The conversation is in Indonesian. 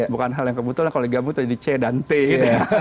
bukan hal yang kebetulan kalau digabut jadi c dan t gitu ya